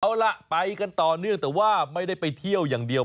เอาล่ะไปกันต่อเนื่องแต่ว่าไม่ได้ไปเที่ยวอย่างเดียว